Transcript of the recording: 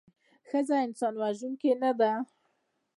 ښځه انسان وژوونکې نده